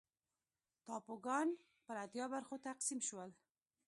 ټاپوګان پر اتیا برخو تقسیم شول.